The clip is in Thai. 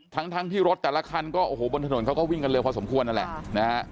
ทั้งทั้งที่รถแต่ละคันก็โอ้โหบนถนนเขาก็วิ่งกันเร็วพอสมควรนั่นแหละนะฮะ